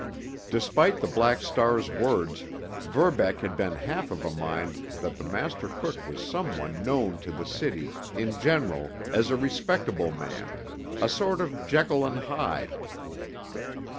Despite the Black Star's words, Verbeck had been half of a mind that the master crook was some one known to the city in general as a respectable man, a sort of Jekyll and Hyde.